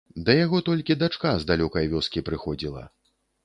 Да яго толькі дачка з далёкай вёскі прыходзіла.